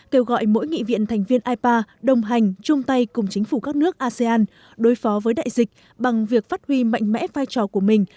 kêu gọi mỗi nghị viện thành viên ipa đồng hành chung tay cùng chính phủ các nước asean đối phó với đại dịch bằng việc phát huy mạnh mẽ vai trò của mình